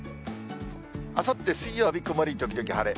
あさって水曜日、曇り時々晴れ。